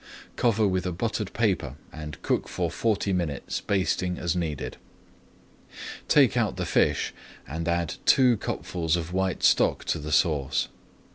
Cover with a buttered paper and cook for forty minutes, basting as needed. Take out the fish and add two cupfuls of white stock to the sauce.